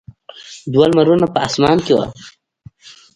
دوه لمرونه په اسمان کې وو.